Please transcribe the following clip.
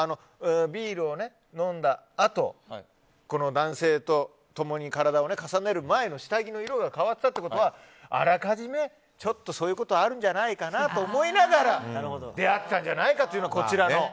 ビールを飲んだあと男性と共に体を重ねる前の下着の色が変わっていたということはあらかじめちょっとそういうことあるんじゃないかなと思いながら出会ったんじゃないかという。